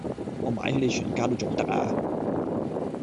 我買起你全家都重得呀